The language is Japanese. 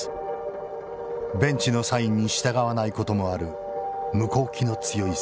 ベンチのサインに従わないこともある向こうっ気の強い選手だった。